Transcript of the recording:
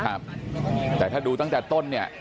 ครับแต่ถ้าดูตั้งแต่ต้นเนี่ย